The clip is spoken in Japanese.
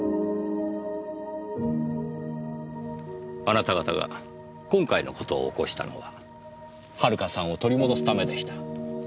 あなた方が今回の事を起こしたのは遥さんを取り戻すためでした。